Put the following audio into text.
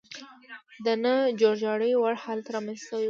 د نه جوړجاړي وړ حالت رامنځته شوی و.